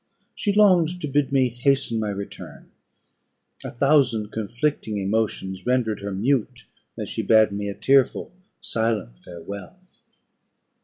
She longed to bid me hasten my return, a thousand conflicting emotions rendered her mute, as she bade me a tearful silent farewell.